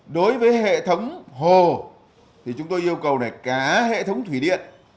đối với hệ thống hồ thì chúng tôi yêu cầu cả hệ thống thủy điện